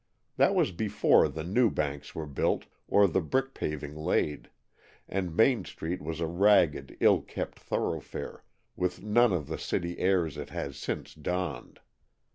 That was before the new banks were built or the brick paving laid, and Main Street was a ragged, ill kept thoroughfare, with none of the city airs it has since donned.